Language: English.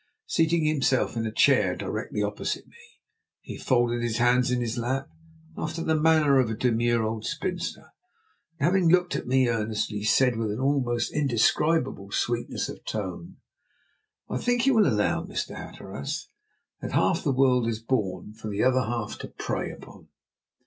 Seating himself in a chair directly opposite me, he folded his hands in his lap, after the manner of a demure old spinster, and, having looked at me earnestly, said with an almost indescribable sweetness of tone: "I think you will allow, Mr. Hatteras, that half the world is born for the other half to prey upon!"